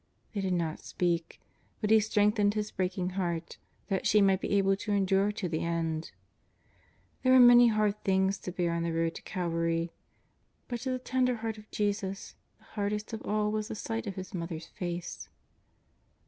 They did not speak, but He strengthened her breaking heart, that she might be able to endure to the end. There were many hard things to bear on the road to Calvary, but to the tender Heart of Jesus the hardest of all was the sight of His ^fother's face.